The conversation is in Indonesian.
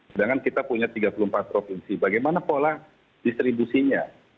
sedangkan kita punya tiga puluh empat provinsi bagaimana pola distribusinya